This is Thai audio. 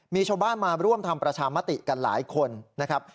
มีชาวบ้านมาร่วมทำประชามติกันหลายคนนะครับ